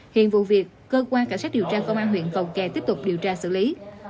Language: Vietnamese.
hiện vụ việc cơ quan cảnh sát điều tra công an huyện cầu kè tiếp tục điều tra xử lý